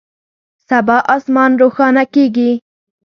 سبا اسمان روښانه کیږي